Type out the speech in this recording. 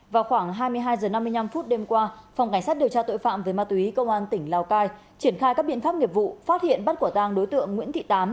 vào khoảng hai mươi hai h năm mươi năm đêm qua phòng cảnh sát điều tra tội phạm về ma túy công an tỉnh lào cai triển khai các biện pháp nghiệp vụ phát hiện bắt quả tang đối tượng nguyễn thị tám